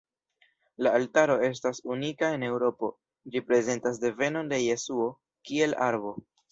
La altaro estas unika en Eŭropo, ĝi prezentas devenon de Jesuo, kiel arbo.